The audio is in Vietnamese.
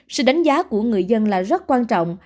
sự đánh giá của người dân là rất quan trọng